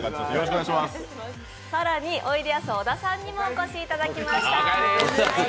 更に、おいでやす小田さんにもお越しいただきました。